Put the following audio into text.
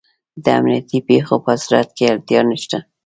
د امنیتي پېښو په صورت کې اړتیا نشته.